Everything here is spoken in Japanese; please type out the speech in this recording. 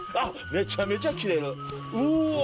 めちゃめちゃ切れるうわ！